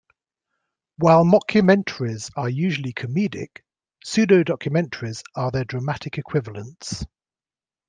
While mockumentaries are usually comedic, pseudo-documentaries are their dramatic equivalents.